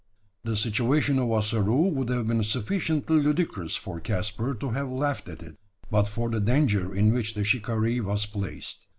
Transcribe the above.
The situation of Ossaroo would have bean sufficiently ludicrous for Caspar to have laughed at it, but for the danger in which the shikaree was placed.